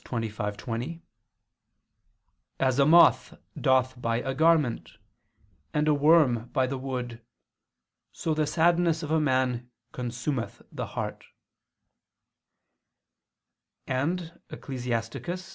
25:20): "As a moth doth by a garment, and a worm by the wood: so the sadness of a man consumeth the heart": and (Ecclus.